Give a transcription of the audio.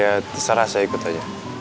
ya terserah saya ikut aja